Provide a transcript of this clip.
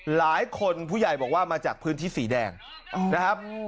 หลายคนผู้ใหญ่บอกว่ามาจากพื้นที่สีแดงนะครับ